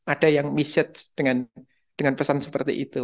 ada yang message dengan pesan seperti itu